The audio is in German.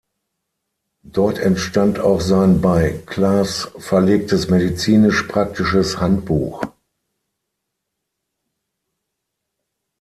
Dort entstand auch sein bei Class verlegtes "Medizinisch-practisches Handbuch".